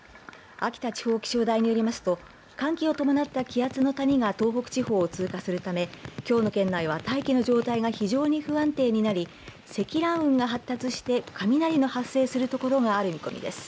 秋田地方気象台によりますと寒気を伴った気圧の谷が東北地方を通過するためきょうの県内は大気の状態が非常に不安定になり積乱雲が発達して雷の発生する所がある見込みです。